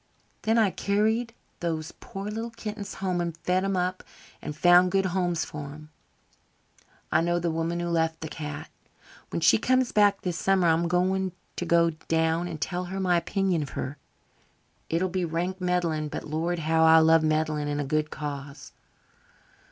Then I carried those poor little kittens home and fed 'hem up and found good homes for them. I know the woman who left the cat. When she comes back this summer I'm going to go down and tell her my opinion of her. It'll be rank meddling, but, lord, how I love meddling in a good cause."